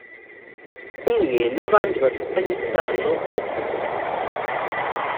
kumwe n abandi bafitanye isano wo kugura